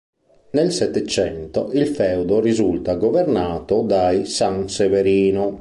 Nel Settecento il feudo risulta governato dai Sanseverino.